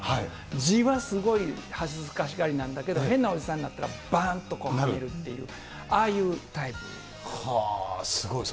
地はすごい恥ずかしがりなんだけど、変なおじさんになったらばーんと、ああいうタイプだと思います。